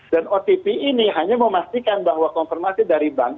dan otp ini hanya memastikan bahwa konfirmasi dari bank